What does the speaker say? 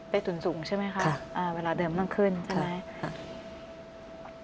ตุ๋นสูงใช่ไหมคะอ่าเวลาเดิมต้องขึ้นใช่ไหม